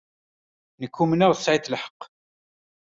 Nekk umneɣ tesɛiḍ lḥeqq.